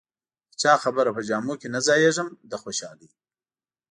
د چا خبره په جامو کې نه ځایېږم له خوشالۍ.